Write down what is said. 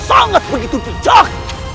dan sangat begitu bijak